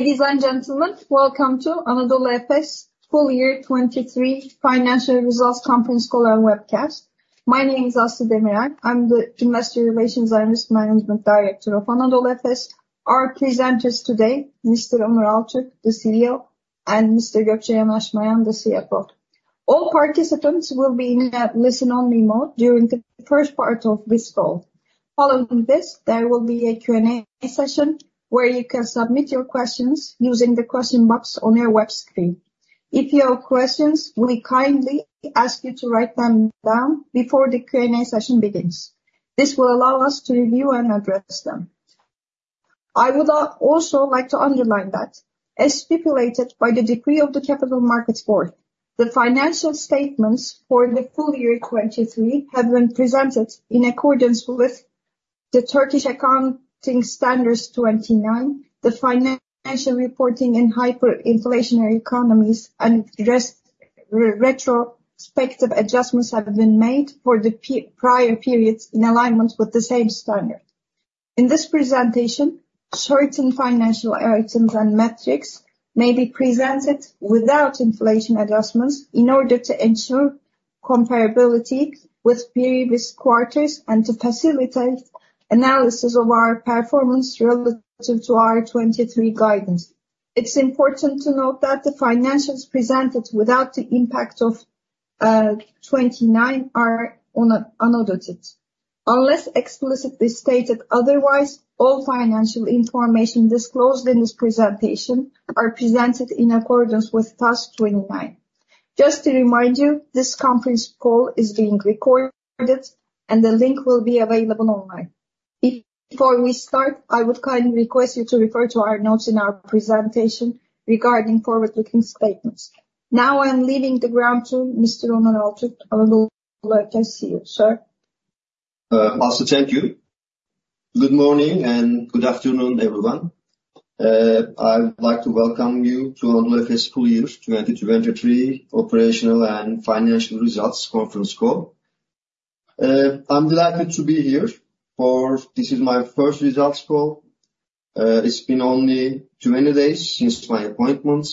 Ladies and gentlemen, welcome to Anadolu Efes Full Year 2023 Financial Results Conference Call and Webcast. My name is Aslı Demirel, I'm the Investor Relations and Risk Management Director of Anadolu Efes. Our presenters today: Mr. Onur Altürk, the CEO, and Mr. Gökçe Yanaşmayan, the CFO. All participants will be in a listen-only mode during the first part of this call. Following this, there will be a Q&A session where you can submit your questions using the question box on your web screen. If you have questions, we kindly ask you to write them down before the Q&A session begins. This will allow us to review and address them. I would also like to underline that, as stipulated by the Decree of the Capital Markets Board, the financial statements for the full year 2023 have been presented in accordance with the Turkish Accounting Standards 29. The financial reporting in hyperinflationary economies and retrospective adjustments have been made for the prior periods in alignment with the same standard. In this presentation, certain financial items and metrics may be presented without inflation adjustments in order to ensure comparability with previous quarters and to facilitate analysis of our performance relative to our 2023 guidance. It's important to note that the financials presented without the impact of 29 are unaudited, unless explicitly stated otherwise. All financial information disclosed in this presentation is presented in accordance with TAS 29. Just to remind you, this conference call is being recorded, and the link will be available online. Before we start, I would kindly request you to refer to our notes in our presentation regarding forward-looking statements. Now I'm leaving the ground to Mr. Onur Altürk, Anadolu Efes, see you, sir. Aslı, thank you. Good morning and good afternoon, everyone. I'd like to welcome you to Anadolu Efes Full Year 2023 Operational and Financial Results Conference Call. I'm delighted to be here. This is my first results call. It's been only 20 days since my appointment.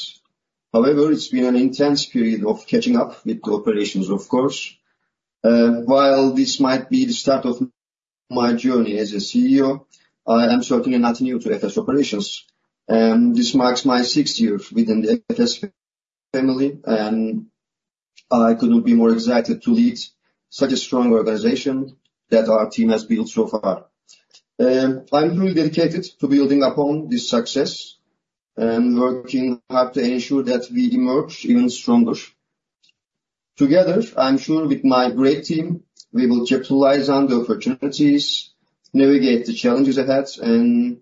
However, it's been an intense period of catching up with the operations, of course. While this might be the start of my journey as a CEO, I am certainly nothing new to Efes Operations. This marks my sixth year within the Efes family, and I couldn't be more excited to lead such a strong organization that our team has built so far. I'm fully dedicated to building upon this success and working hard to ensure that we emerge even stronger. Together, I'm sure with my great team, we will capitalize on the opportunities, navigate the challenges ahead, and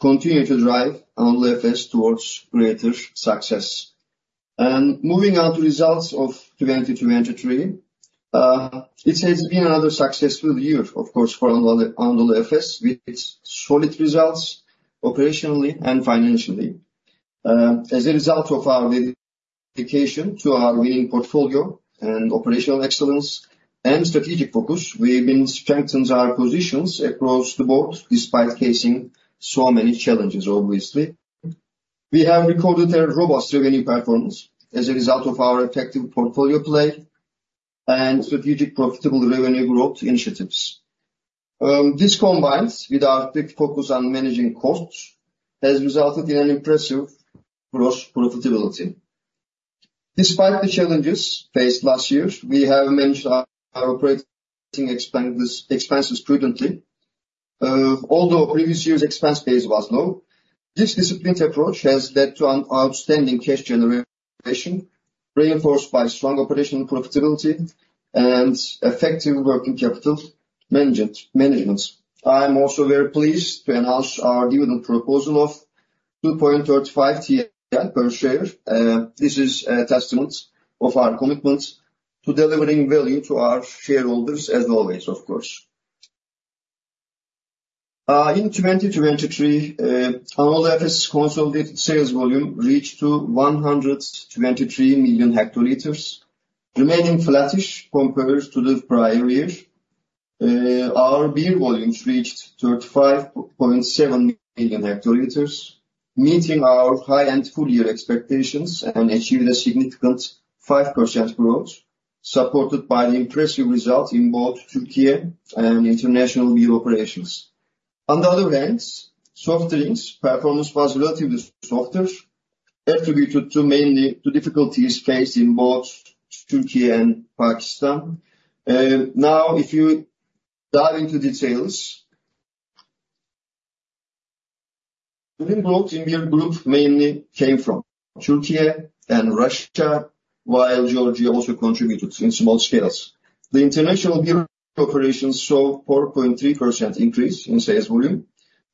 continue to drive Anadolu Efes towards greater success. Moving on to results of 2023, it has been another successful year, of course, for Anadolu Efes with solid results operationally and financially. As a result of our dedication to our winning portfolio and operational excellence and strategic focus, we've been strengthening our positions across the board despite facing so many challenges, obviously. We have recorded a robust revenue performance as a result of our effective portfolio play and strategic profitable revenue growth initiatives. This combined with our big focus on managing costs has resulted in an impressive gross profitability. Despite the challenges faced last year, we have managed our operating expenses prudently. Although previous years' expense base was low, this disciplined approach has led to an outstanding cash generation reinforced by strong operational profitability and effective working capital management. I'm also very pleased to announce our dividend proposal of 2.35 per share. This is a testament of our commitment to delivering value to our shareholders as always, of course. In 2023, Anadolu Efes' consolidated sales volume reached 123 million hectoliters, remaining flattish compared to the prior year. Our beer volumes reached 35.7 million hectoliters, meeting our high-end full-year expectations and achieved a significant 5% growth supported by the impressive result in both Türkiye and international beer operations. On the other hand, soft drinks performance was relatively softer, attributed mainly to difficulties faced in both Türkiye and Pakistan. Now, if you dive into details, the growth in beer group mainly came from Türkiye and Russia, while Georgia also contributed in small scales. The international beer operations saw a 4.3% increase in sales volume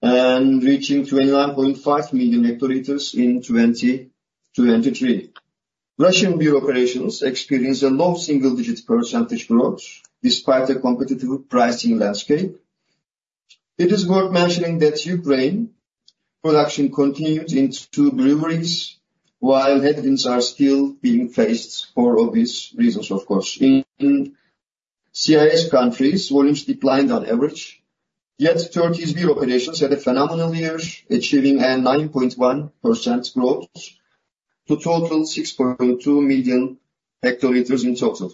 and reached 29.5 million hectoliters in 2023. Russian beer operations experienced a low single-digit % growth despite a competitive pricing landscape. It is worth mentioning that Ukraine production continued in two breweries, while headwinds are still being faced for obvious reasons, of course. In CIS countries, volumes declined on average, yet Türkiye's beer operations had a phenomenal year, achieving a 9.1% growth to a total of 6.2 million hL in total.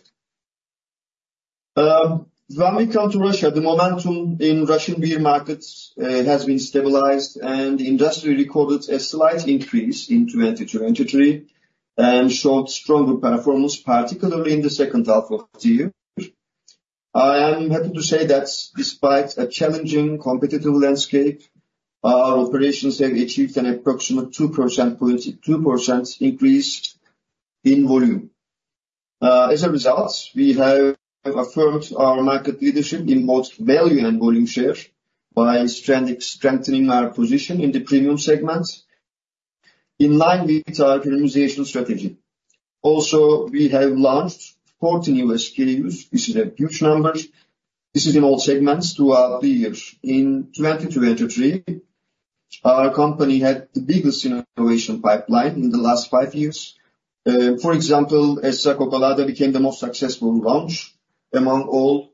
When we come to Russia, the momentum in Russian beer markets has been stabilized, and the industry recorded a slight increase in 2023 and showed stronger performance, particularly in the second half of the year. I am happy to say that despite a challenging competitive landscape, our operations have achieved an approximate 2% increase in volume. As a result, we have affirmed our market leadership in both value and volume share by strengthening our position in the premium segment in line with our premiumization strategy. Also, we have launched 40 new SKUs. This is a huge number. This is in all segments throughout the year. In 2023, our company had the biggest innovation pipeline in the last five years. For example, Essa Cocolada became the most successful launch among all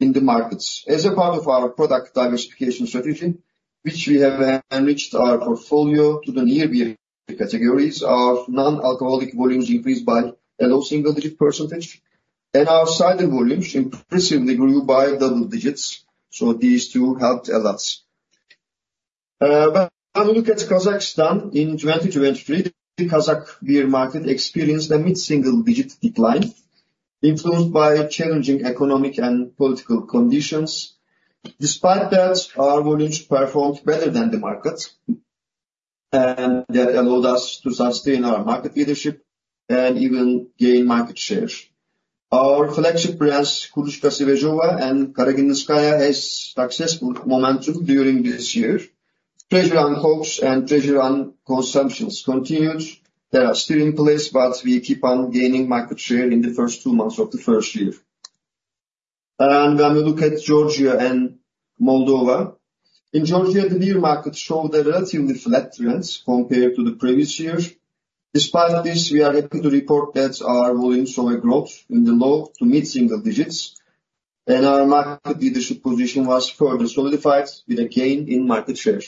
in the markets. As a part of our product diversification strategy, which we have enriched our portfolio to the near beer categories, our non-alcoholic volumes increased by a low single-digit percentage, and our cider volumes impressively grew by double digits. So these two helped a lot. When we look at Kazakhstan in 2023, the Kazakh beer market experienced a mid-single-digit decline influenced by challenging economic and political conditions. Despite that, our volumes performed better than the market, and that allowed us to sustain our market leadership and even gain market share. Our flagship brands, Kruzhka Svezhego and Karagandinskoe, had successful momentum during this year. Pressure on costs and pressure on consumptions continued. They are still in place, but we keep on gaining market share in the first two months of the first year. And when we look at Georgia and Moldova, in Georgia, the beer market showed a relatively flat trend compared to the previous year. Despite this, we are happy to report that our volumes saw a growth in the low to mid-single digits, and our market leadership position was further solidified with a gain in market share.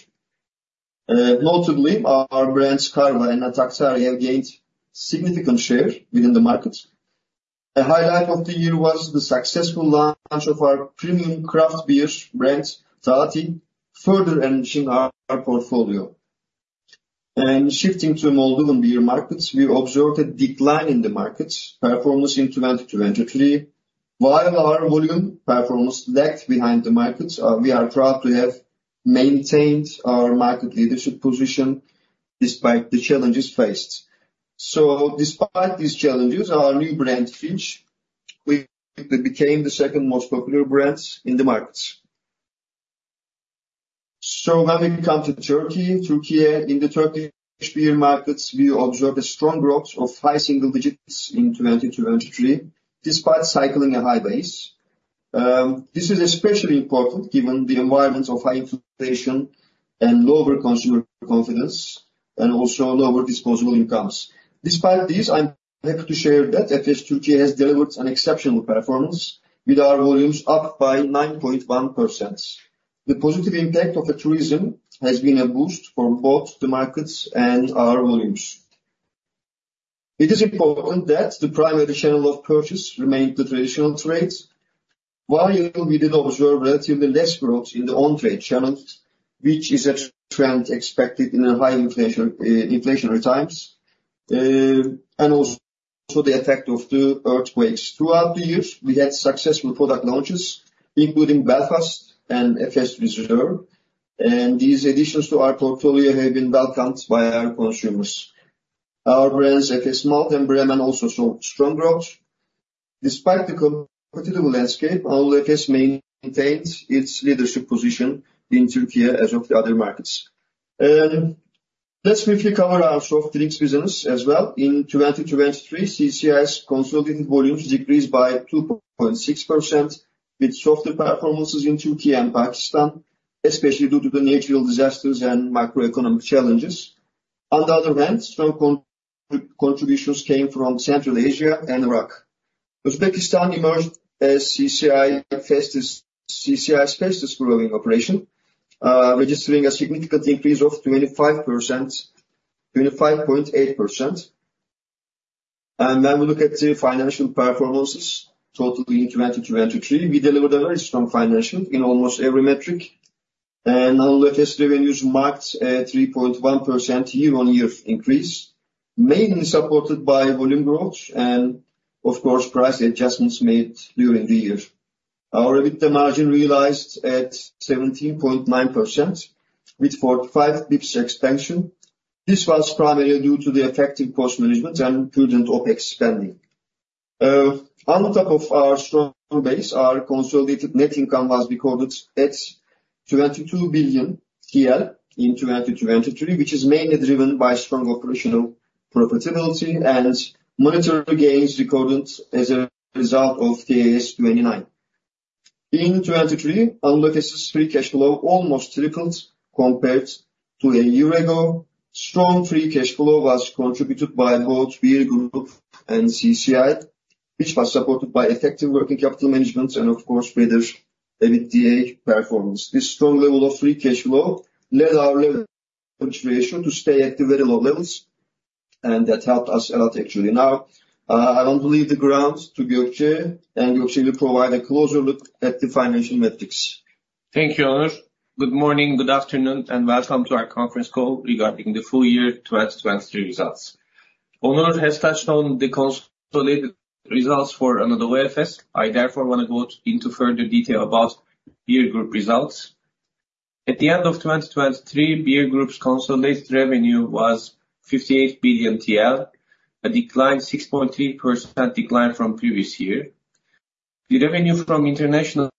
Notably, our brands Karva and Natakhtari have gained significant share within the market. A highlight of the year was the successful launch of our premium craft beer brand, Taati, further enriching our portfolio. Shifting to Moldovan beer markets, we observed a decline in the market performance in 2023. While our volume performance lagged behind the markets, we are proud to have maintained our market leadership position despite the challenges faced. Despite these challenges, our new brand, Finch, quickly became the second most popular brand in the markets. When we come to Türkiye, in the Turkish beer markets, we observed a strong growth of high single digits in 2023 despite cycling a high base. This is especially important given the environment of high inflation and lower consumer confidence and also lower disposable incomes. Despite this, I'm happy to share that Efes Türkiye has delivered an exceptional performance with our volumes up by 9.1%. The positive impact of tourism has been a boost for both the markets and our volumes. It is important that the primary channel of purchase remained the traditional trade, while we did observe relatively less growth in the on-trade channels, which is a trend expected in high inflationary times, and also the effect of the earthquakes. Throughout the years, we had successful product launches, including Belfast and Efes Reserve, and these additions to our portfolio have been welcomed by our consumers. Our brands Efes Malt and Bremen also saw strong growth. Despite the competitive landscape, Anadolu Efes maintained its leadership position in Türkiye as well as in the other markets. Let's briefly cover our soft drinks business as well. In 2023, CCI's consolidated volumes decreased by 2.6% with softer performances in Türkiye and Pakistan, especially due to the natural disasters and macroeconomic challenges. On the other hand, strong contributions came from Central Asia and Iraq. Uzbekistan emerged as CCI's fastest growing operation, registering a significant increase of 25.8%. When we look at the financial performances total in 2023, we delivered a very strong financial in almost every metric, and Anadolu Efes revenues marked a 3.1% year-on-year increase, mainly supported by volume growth and, of course, price adjustments made during the year. Our EBITDA margin realized at 17.9% with 45 basis points expansion. This was primarily due to the effective cost management and prudent OpEx spending. On top of our strong base, our consolidated net income was recorded at 22 billion TL in 2023, which is mainly driven by strong operational profitability and monetary gains recorded as a result of TAS 29. In 2023, Anadolu Efes's free cash flow almost tripled compared to a year ago. Strong free cash flow was contributed by both beer group and CCI, which was supported by effective working capital management and, of course, better EBITDA performance. This strong level of free cash flow led our leverage ratio to stay at the very low levels, and that helped us a lot, actually. Now, I want to leave the ground to Gökçe, and Gökçe will provide a closer look at the financial metrics. Thank you, Onur. Good morning, good afternoon, and welcome to our conference call regarding the full year 2023 results. Onur has touched on the consolidated results for Anadolu Efes. I therefore want to go into further detail about beer group results. At the end of 2023, beer group's consolidated revenue was 58 billion TL, a 6.3% decline from previous year. The revenue from international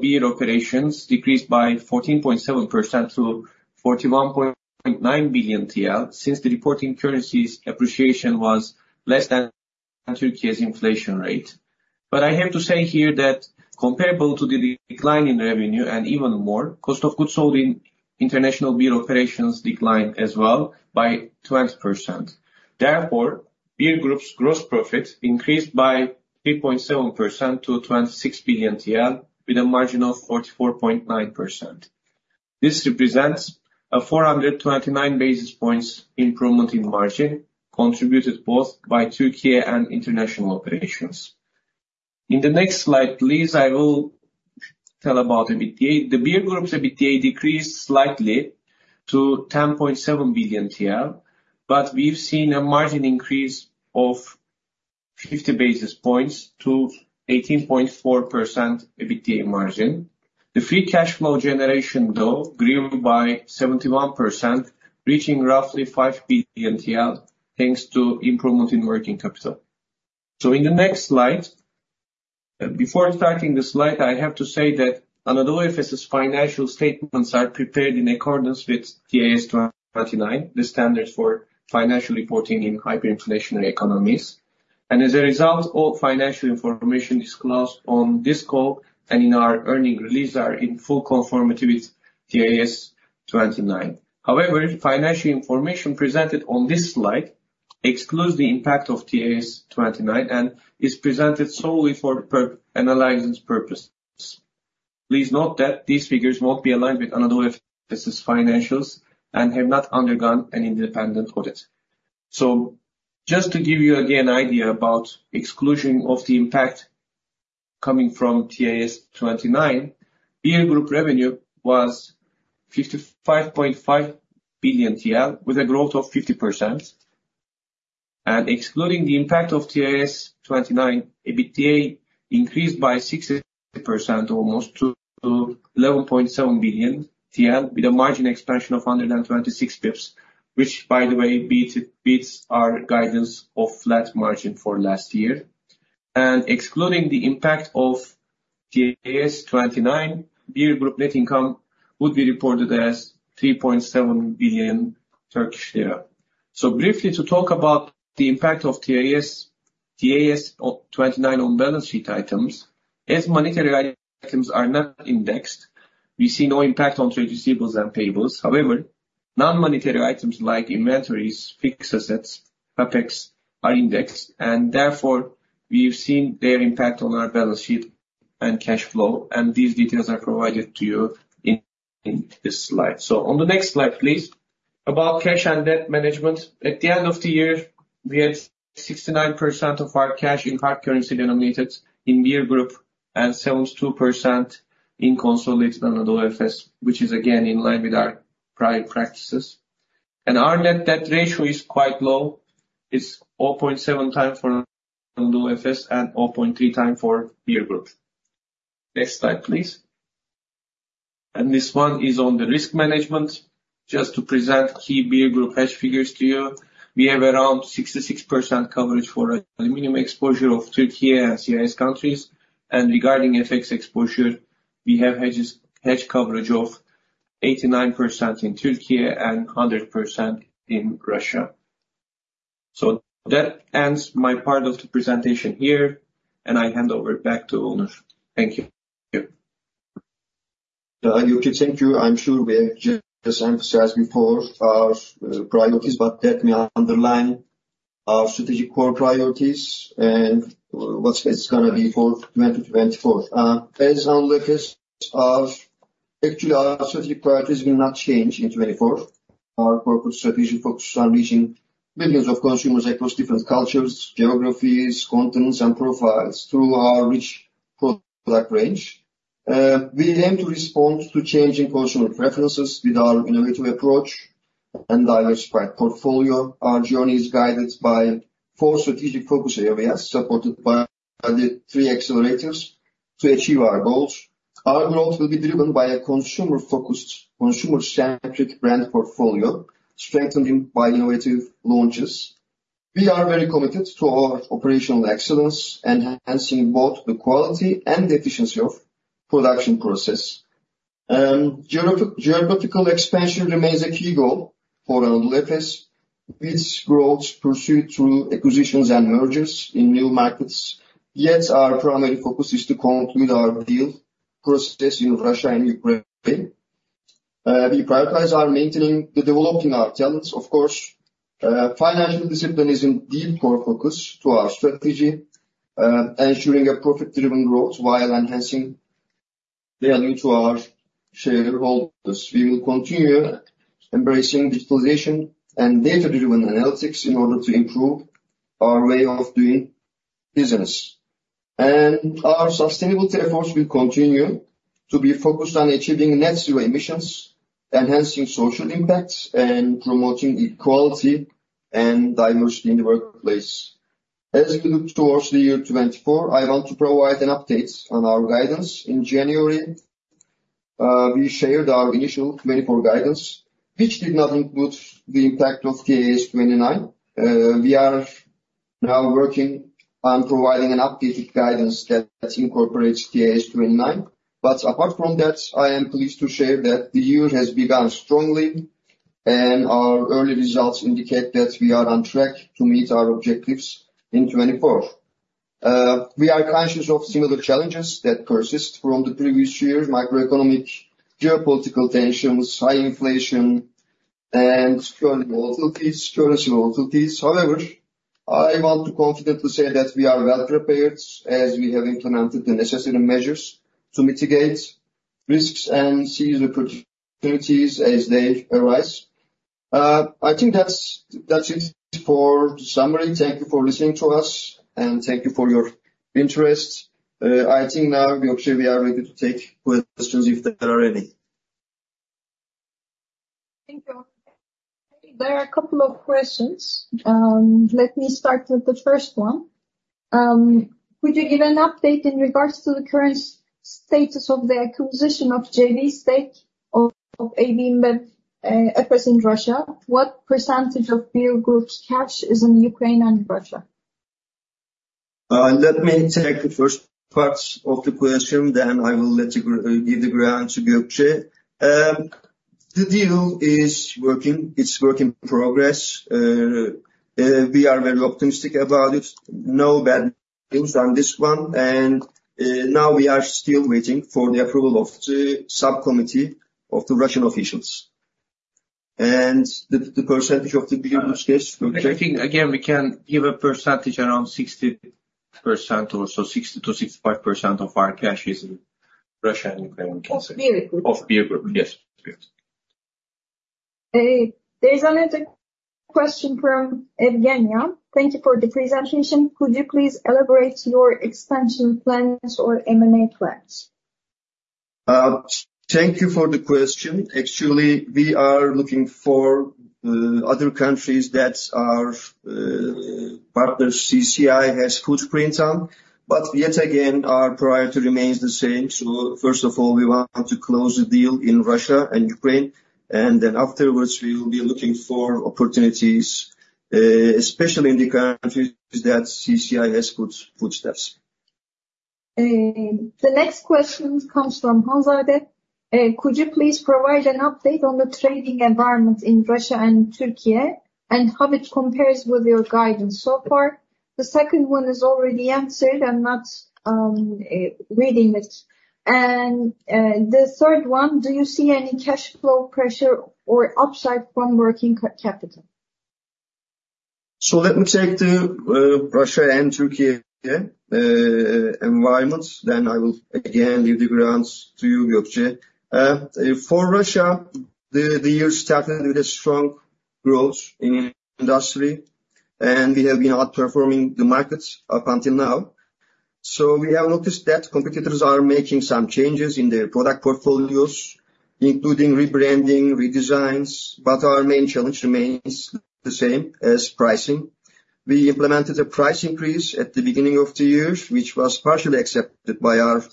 beer operations decreased by 14.7% to 41.9 billion TL since the reporting currency's appreciation was less than Türkiye's inflation rate. But I have to say here that comparable to the decline in revenue and even more, cost of goods sold in international beer operations declined as well by 20%. Therefore, beer group's gross profit increased by 3.7% to 26 billion TL with a margin of 44.9%. This represents a 429 basis points improvement in margin, contributed both by Türkiye and international operations. In the next slide, please, I will tell about EBITDA. The beer group's EBITDA decreased slightly to 10.7 billion TL, but we've seen a margin increase of 50 basis points to 18.4% EBITDA margin. The free cash flow generation, though, grew by 71%, reaching roughly 5 billion TL thanks to improvement in working capital. So in the next slide, before starting the slide, I have to say that Anadolu Efes' financial statements are prepared in accordance with TAS 29, the standard for financial reporting in hyperinflationary economies. And as a result, all financial information disclosed on this call and in our earnings release are in full conformity with TAS 29. However, financial information presented on this slide excludes the impact of TAS 29 and is presented solely for analyzing purposes. Please note that these figures won't be aligned with Anadolu Efes' financials and have not undergone an independent audit. So just to give you again an idea about the exclusion of the impact coming from TAS 29, beer group revenue was 55.5 billion TL with 50% growth. And excluding the impact of TAS 29, EBITDA increased by 60% almost to 11.7 billion TL with a margin expansion of under 26 bips, which, by the way, beats our guidance of flat margin for last year. And excluding the impact of TAS 29, beer group net income would be reported as 3.7 billion Turkish lira. So briefly, to talk about the impact of TAS 29 on balance sheet items, as monetary items are not indexed, we see no impact on trade receivables and payables. However, non-monetary items like inventories, fixed assets, and CAPEX are indexed, and therefore, we've seen their impact on our balance sheet and cash flow. And these details are provided to you in this slide. On the next slide, please, about cash and debt management. At the end of the year, we had 69% of our cash in hard currency denominated in beer group and 72% in consolidated Anadolu Efes, which is again in line with our prior practices. Our net debt ratio is quite low. It's 0.7x for Anadolu Efes and 0.3x for beer group. Next slide, please. This one is on the risk management. Just to present key beer group hedge figures to you, we have around 66% coverage for aluminum exposure of Türkiye and CIS countries. Regarding FX exposure, we have hedge coverage of 89% in Türkiye and 100% in Russia. That ends my part of the presentation here, and I hand over back to Onur. Thank you. Gökçe, thank you. I'm sure we have just emphasized before our priorities, but let me underline our strategic core priorities and what it's going to be for 2024. As Anadolu Efes, actually, our strategic priorities will not change in 2024. Our corporate strategy focuses on reaching millions of consumers across different cultures, geographies, continents, and profiles through our rich product range. We aim to respond to changing consumer preferences with our innovative approach and diversified portfolio. Our journey is guided by four strategic focus areas supported by the three accelerators to achieve our goals. Our growth will be driven by a consumer-focused, consumer-centric brand portfolio, strengthened by innovative launches. We are very committed to our operational excellence, enhancing both the quality and efficiency of the production process. Geographical expansion remains a key goal for Anadolu Efes, with growth pursued through acquisitions and mergers in new markets. Yet our primary focus is to conclude our deal process in Russia and Ukraine. We prioritize maintaining and developing our talents. Of course, financial discipline is a deep core focus to our strategy, ensuring a profit-driven growth while enhancing value to our shareholders. We will continue embracing digitalization and data-driven analytics in order to improve our way of doing business. Our sustainability efforts will continue to be focused on achieving net zero emissions, enhancing social impact, and promoting equality and diversity in the workplace. As we look towards the year 2024, I want to provide an update on our guidance. In January, we shared our initial 2024 guidance, which did not include the impact of TAS 29. We are now working on providing an updated guidance that incorporates TAS 29. But apart from that, I am pleased to share that the year has begun strongly, and our early results indicate that we are on track to meet our objectives in 2024. We are conscious of similar challenges that persist from the previous years: macroeconomic, geopolitical tensions, high inflation, and currency volatilities. However, I want to confidently say that we are well prepared as we have implemented the necessary measures to mitigate risks and seize opportunities as they arise. I think that's it for the summary. Thank you for listening to us, and thank you for your interest. I think now, Gökçe, we are ready to take questions if there are any. Thank you. There are a couple of questions. Let me start with the first one. Could you give an update in regards to the current status of the acquisition of JV Stake of AB InBev Efes in Russia? What percentage of beer group's cash is in Ukraine and Russia? Let me take the first part of the question, then I will give the ground to Gökçe. The deal is working. It's a work in progress. We are very optimistic about it. No bad news on this one. And now we are still waiting for the approval of the subcommittee of the Russian officials. And the percentage of the beer group's cash, Gökçe? I think, again, we can give a percentage around 60% or so, 60%-65% of our cash is in Russia and Ukraine concerned. There's another question from Evgenia. Thank you for the presentation. Could you please elaborate on your expansion plans or M&A plans? Thank you for the question. Actually, we are looking for other countries that our partner CCI has footprints on. But yet again, our priority remains the same. So first of all, we want to close the deal in Russia and Ukraine. And then afterwards, we will be looking for opportunities, especially in the countries that CCI has footsteps. The next question comes from Hanzade. Could you please provide an update on the trading environment in Russia and Türkiye and how it compares with your guidance so far? The second one is already answered. I'm not reading it. The third one, do you see any cash flow pressure or upside from working capital? So let me take the Russia and Türkiye environment. Then I will, again, give the ground to you, Gökçe. For Russia, the year started with a strong growth in industry, and we have been outperforming the markets up until now. So we have noticed that competitors are making some changes in their product portfolios, including rebranding, redesigns. But our main challenge remains the same as pricing. We implemented a price increase at the beginning of the year, which was partially accepted by our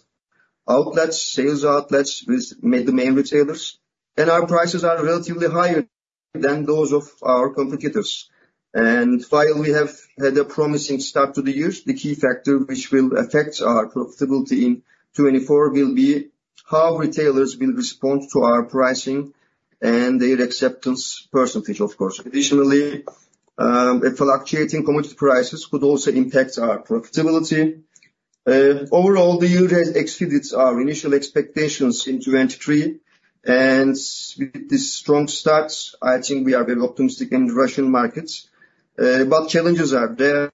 outlets, sales outlets with the main retailers. And our prices are relatively higher than those of our competitors. And while we have had a promising start to the year, the key factor which will affect our profitability in 2024 will be how retailers will respond to our pricing and their acceptance percentage, of course. Additionally, fluctuating commodity prices could also impact our profitability. Overall, the year has exceeded our initial expectations in 2023. And with this strong start, I think we are very optimistic in the Russian markets. But challenges are there.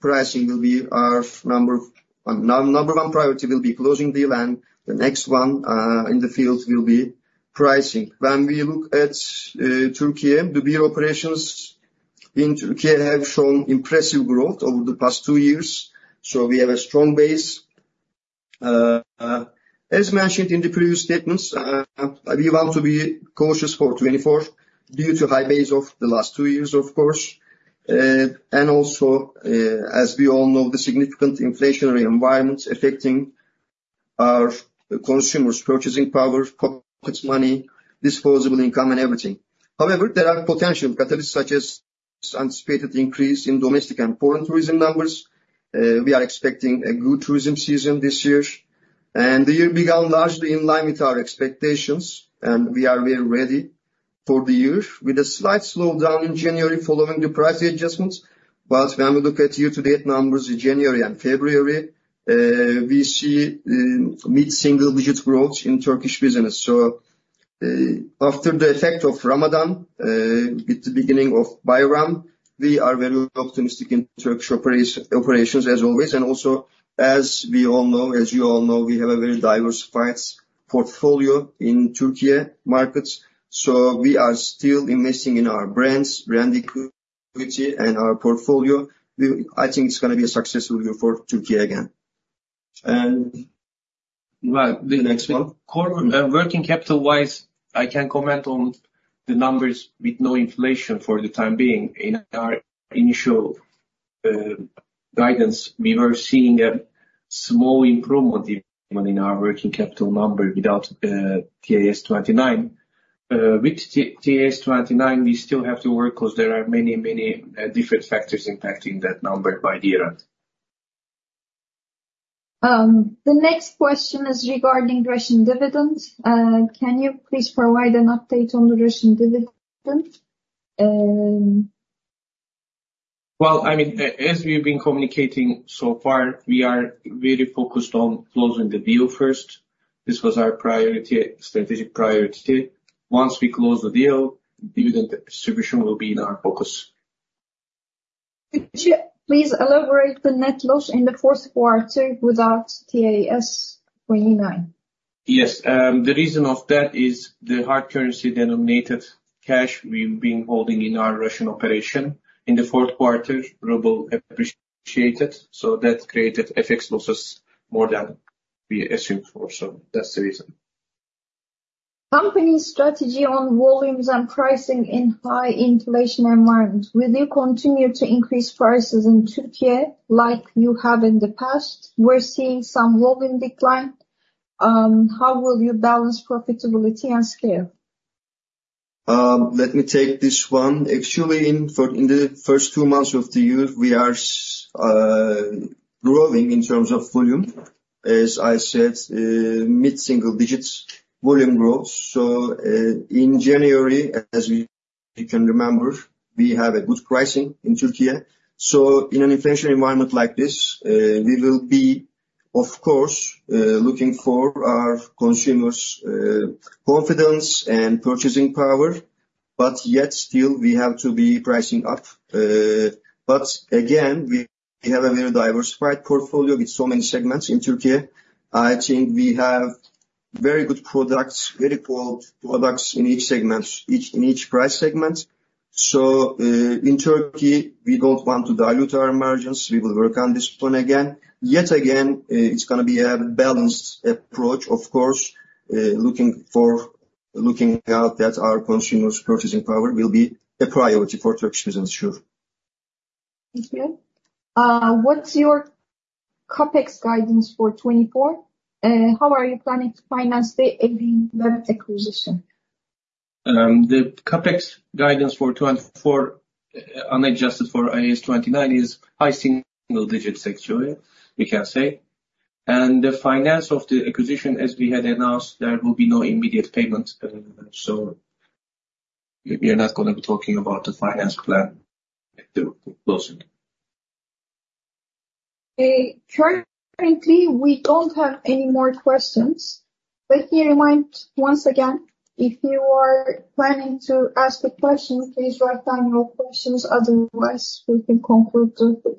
Pricing will be our number one priority, will be closing the deal. And the next one in the field will be pricing. When we look at Türkiye, the beer operations in Türkiye have shown impressive growth over the past two years. So we have a strong base. As mentioned in the previous statements, we want to be cautious for 2024 due to high base of the last two years, of course. And also, as we all know, the significant inflationary environment affecting our consumers, purchasing power, pocket money, disposable income, and everything. However, there are potential catalysts such as anticipated increase in domestic and foreign tourism numbers. We are expecting a good tourism season this year. The year began largely in line with our expectations, and we are very ready for the year with a slight slowdown in January following the price adjustments. But when we look at year-to-date numbers in January and February, we see mid-single-digit growth in Turkish business. So after the effect of Ramadan with the beginning of Bayram, we are very optimistic in Turkish operations, as always. And also, as we all know, as you all know, we have a very diversified portfolio in Türkiye markets. So we are still investing in our brands, brand equity, and our portfolio. I think it's going to be a successful year for Türkiye again. And. Well, the next one. Working capital-wise, I can comment on the numbers with no inflation for the time being. In our initial guidance, we were seeing a small improvement even in our working capital number without TAS 29. With TAS 29, we still have to work because there are many, many different factors impacting that number by the year. The next question is regarding Russian dividends. Can you please provide an update on the Russian dividends? Well, I mean, as we've been communicating so far, we are very focused on closing the deal first. This was our strategic priority. Once we close the deal, dividend distribution will be in our focus. Could you please elaborate on the net loss in the fourth quarter without TAS 29? Yes. The reason of that is the hard currency-denominated cash we've been holding in our Russian operation in the fourth quarter. Ruble appreciated. So that created FX losses more than we assumed for. So that's the reason. Company strategy on volumes and pricing in high inflation environment. Will you continue to increase prices in Türkiye like you have in the past? We're seeing some volume decline. How will you balance profitability and scale? Let me take this one. Actually, in the first two months of the year, we are growing in terms of volume. As I said, mid-single-digit volume growth. So in January, as you can remember, we have a good pricing in Türkiye. So in an inflation environment like this, we will be, of course, looking for our consumers' confidence and purchasing power. But yet still, we have to be pricing up. But again, we have a very diversified portfolio with so many segments in Türkiye. I think we have very good products, very quality products in each segment, in each price segment. So in Türkiye, we don't want to dilute our margins. We will work on this plan again. Yet again, it's going to be a balanced approach, of course, looking out that our consumers' purchasing power will be a priority for Turkish business, sure. Thank you. What's your CAPEX guidance for 2024? How are you planning to finance the AB InBev acquisition? The CAPEX guidance for 2024 unadjusted for TAS 29 is high single-digits, actually, we can say. The finance of the acquisition, as we had announced, there will be no immediate payment. We are not going to be talking about the finance plan at the closing. Currently, we don't have any more questions. Let me remind once again, if you are planning to ask a question, please write down your questions. Otherwise, we can conclude the.